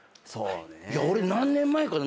俺何年前かな？